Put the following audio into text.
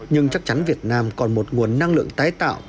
nhưng chắc chắn việt nam còn một nguồn năng lượng tái tạo